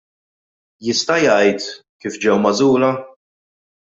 Jista' jgħid kif ġew magħżula?